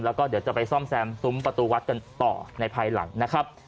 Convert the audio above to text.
แล้วก็เดี๋ยวจะไปซ่อมแซมซุ้มประตูวัดกันต่อในภายหลังนะครับ